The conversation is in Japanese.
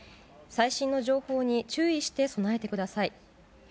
最新の情報に注意して備えてください。